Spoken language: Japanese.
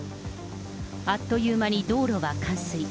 あっという間に道路は冠水。